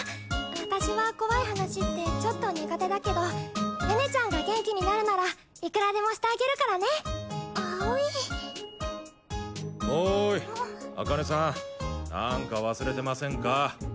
私は怖い話ってちょっと苦手だけど寧々ちゃんが元気になるならいくらでもしてあげるからね葵おーい赤根さん何か忘れてませんか？